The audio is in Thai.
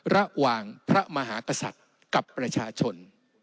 ระหว่างพระมหากษัตริย์กับประชาชน